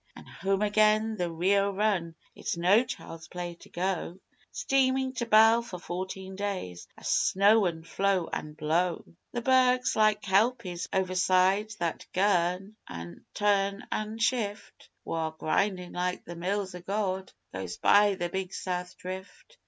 An' home again, the Rio run: it's no child's play to go Steamin' to bell for fourteen days o' snow an' floe an' blow The bergs like kelpies overside that girn an' turn an' shift Whaur, grindin' like the Mills o' God, goes by the big South drift.